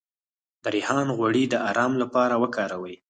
د ریحان غوړي د ارام لپاره وکاروئ